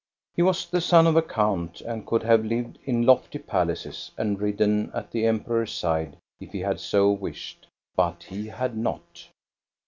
He was the son of a count, and could have lived in lofty palaces and ridden at the Emperor's side if he had so wished; but he had not.